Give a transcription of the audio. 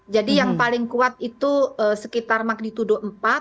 jadi yang paling kuat itu sekitar magnitudo empat